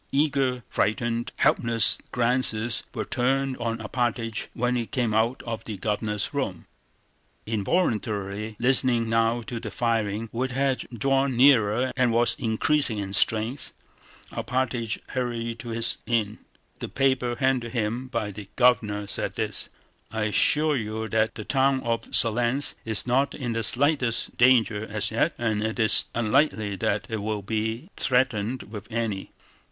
Eager, frightened, helpless glances were turned on Alpátych when he came out of the Governor's room. Involuntarily listening now to the firing, which had drawn nearer and was increasing in strength, Alpátych hurried to his inn. The paper handed to him by the Governor said this: "I assure you that the town of Smolénsk is not in the slightest danger as yet and it is unlikely that it will be threatened with any.